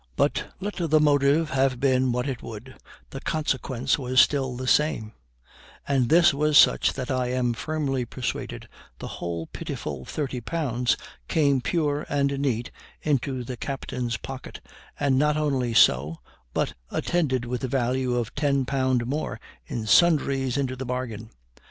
But, let the motive have been what it would, the consequence was still the same; and this was such that I am firmly persuaded the whole pitiful thirty pounds came pure and neat into the captain's pocket, and not only so, but attended with the value of ten pound more in sundries into the bargain.